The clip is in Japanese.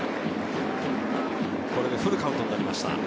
これでフルカウントになりました。